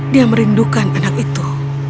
dia merindukan anak itu